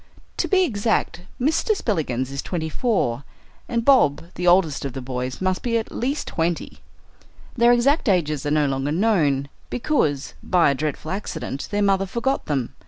To be exact, Mr. Spillikins is twenty four, and Bob, the oldest of the boys, must be at least twenty. Their exact ages are no longer known, because, by a dreadful accident, their mother forgot them.